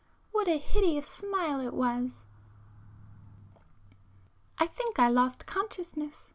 What a hideous smile it was! I think I lost consciousness